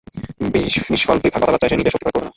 নিষ্ফল বৃথা কথাবার্তায় সে নিজের শক্তিক্ষয় করবে না।